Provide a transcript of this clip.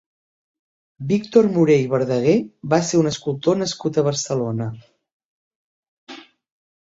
Víctor Moré i Verdaguer va ser un escultor nascut a Barcelona.